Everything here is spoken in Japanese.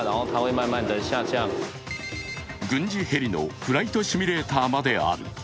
軍事ヘリのフライトシミュレーターまである。